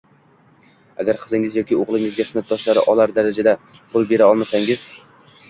Agar qizingiz yoki o‘g‘lingizga sinfdoshlari olar darajada pul bera olmasangiz